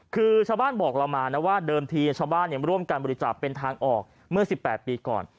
คือชาวบ้านบอกเรามานะว่าเดิมทีชาวบ้านร่วมการบริจาคเป็นทางออกเมื่อ๑๘ปีก่อน